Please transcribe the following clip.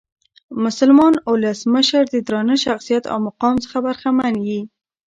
مسلمان اولس مشر د درانه شخصیت او مقام څخه برخمن يي.